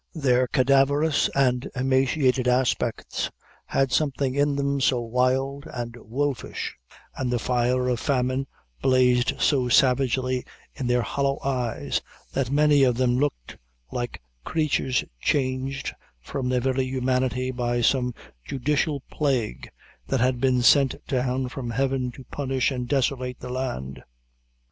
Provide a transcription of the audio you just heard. Their cadaverous and emaciated aspects had something in them so wild and wolfish, and the fire of famine blazed so savagely in their hollow eyes, that many of them looked like creatures changed from their very humanity by some judicial plague, that had been sent down from Heaven to punish and desolate the land.